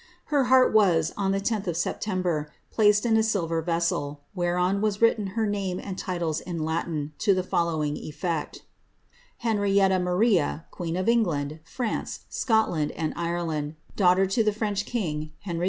Her heart was, on the 10th of September, placed in a silver vessel, rhereon was written her name and titles in Latin, to the following flfect: — Henrietta Maria, queen of EIngland, France, Scotland, and Ireland, buffhter to the French king Henry IV.